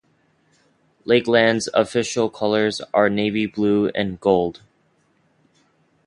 Lakeland's official colors are navy blue and gold.